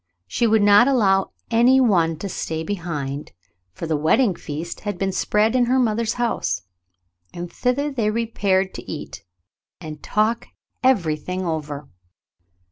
She would not allow any one to stay behind, for the wedding feast had been spread in her mother's house, and thither they repaired to eat, and talk everything over.